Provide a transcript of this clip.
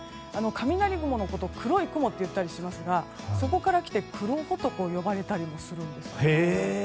雷雲のことを黒い雲と言ったりしますがそこからきてくろほと呼ばれたりするんです。